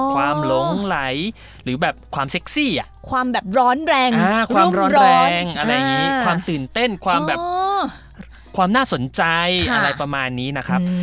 ความหลงไหลหรือแบบความเซ็กซี่อ่ะความแบบร้อนแรงความร้อนแรงอะไรอย่างนี้ความตื่นเต้นความแบบความน่าสนใจอะไรประมาณนี้นะครับ